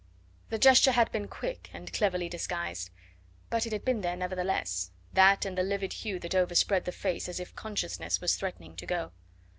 The gesture had been quick and cleverly disguised, but it had been there nevertheless that and the livid hue that overspread the face as if consciousness was threatening to go.